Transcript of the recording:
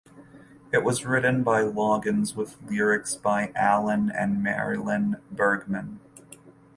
It was written by Loggins with lyrics by Alan and Marilyn Bergman.